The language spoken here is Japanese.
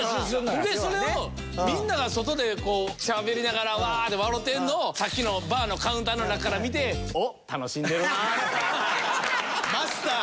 ほんでそれをみんなが外でしゃべりながらわって笑うてるのをさっきのバーのカウンターの中から見てマスター。